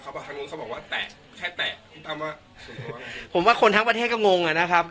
บอกทางนู้นเขาบอกว่าแตะแค่แตะพี่ตั้มว่าผมว่าคนทั้งประเทศก็งงอ่ะนะครับ